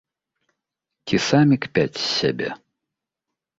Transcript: Ці самі кпяць з сябе.